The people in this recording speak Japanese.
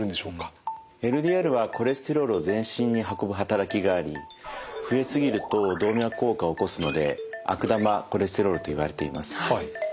ＬＤＬはコレステロールを全身に運ぶ働きがあり増え過ぎると動脈硬化を起こすので悪玉コレステロールといわれています。